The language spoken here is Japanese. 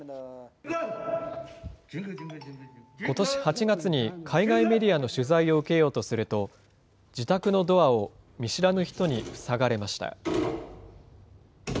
ことし８月に海外メディアの取材を受けようとすると、自宅のドアを見知らぬ人に塞がれました。